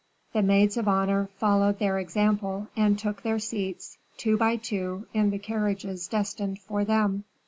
The maids of honor followed their example, and took their seats, two by two, in the carriages destined for them.